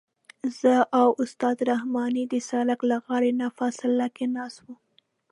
زه او استاد رحماني د سړک له غاړې نه فاصله کې ناست وو.